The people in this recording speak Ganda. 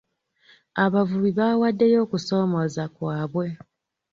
Abavubi baawaddeyo okusoomooza kwabwe.